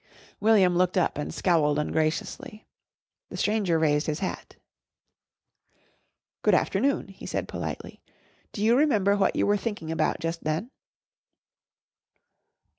William looked up and scowled ungraciously. The stranger raised his hat. "Good afternoon," he said politely, "Do you remember what you were thinking about just then?"